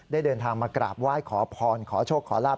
เดินทางมากราบไหว้ขอพรขอโชคขอลาบ